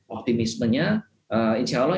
optimismenya insya allah